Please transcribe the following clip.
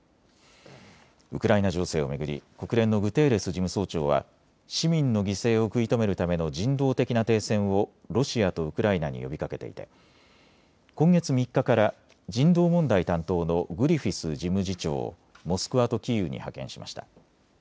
ウクライナ情勢を巡り、国連のグテーレス事務総長は市民の犠牲を食い止めるための人道的な停戦をロシアとウクライナに呼びかけていて今月３日から人道問題担当のグリフィス事務次長をモスクワとキーウに派遣しました。